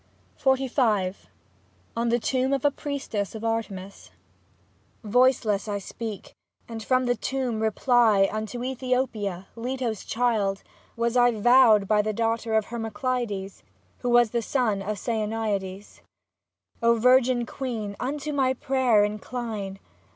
49 XLV ON THE TOMB OF A PRIESTESS OF ARTEMIS Voiceless I speak, and from the tomb reply Unto ^thopia, Leto's child, was I Vowed by the daughter of Hermo cleides, Who was the son of Saonaiades. O virgin queen, unto my prayer incline.